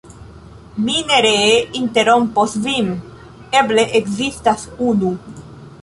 "Mi ne ree interrompos vin; eble ekzistas unu."